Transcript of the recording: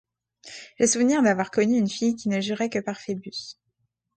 J’ai souvenir d’avoir connu une fille qui ne jurait que par Phœbus.